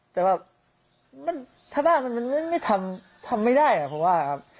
แต่ว่าถ้าได้มันไม่ทำทำไม่ได้เพราะว่าครับ